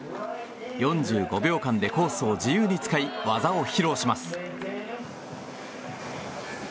４５秒間でコースを自由に使い技を披露します。